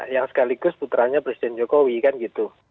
yang sekaligus putranya presiden jokowi kan gitu